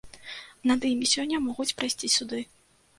Над імі сёння могуць прайсці суды.